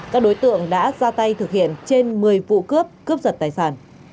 các đối tượng đã ra tay thực hiện trên một mươi vụ cướp cướp giật tài sản